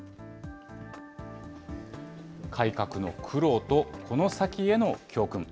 改革の苦労と、この先への教訓。